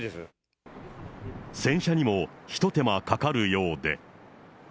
洗車にもひと手間かかるようで。